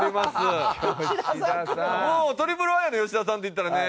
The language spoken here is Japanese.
もうトリプルファイヤーの吉田さんっていったらね